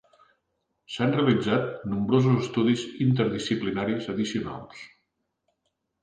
S'han realitzat nombrosos estudis interdisciplinaris addicionals.